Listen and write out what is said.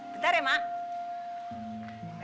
bentar ya mak